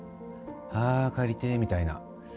あー帰りてーみたいな。